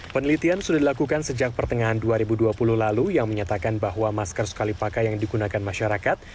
penelitian sudah dilakukan sejak pertengahan dua ribu dua puluh lalu yang menyatakan bahwa masker sekali pakai yang digunakan masyarakat